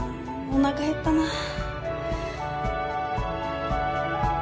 おなか減ったな。